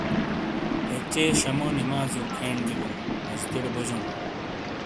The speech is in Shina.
یہ چے شامو نمازیو کھین بیلوں مسجدیٹے بوجون ۔